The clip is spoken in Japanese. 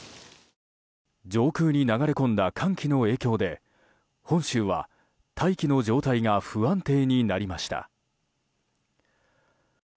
上空に流れ込んだ寒気の影響で本州は大気の状態が不安定になりました。